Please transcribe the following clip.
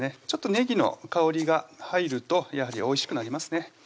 ちょっとねぎの香りが入るとやはりおいしくなりますね